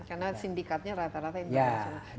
karena sindikatnya rata rata internasional